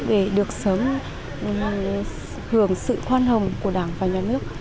để được sớm hưởng sự khoan hồng của đảng và nhà nước